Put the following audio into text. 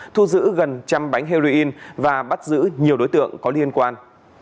thu giữ gần trăm bánh heroin và bắt giữ nhiều đối tượng có liên quan